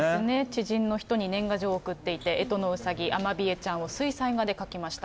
知人の人に年賀状を送っていて、えとのうさぎ、アマビエちゃんを水彩画で描きました。